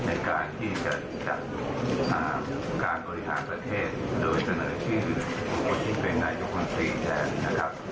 ในการที่จะจัดการบริฐานประเทศโดยเฉพาะที่เป็นในยุควรศรีแทนนะครับ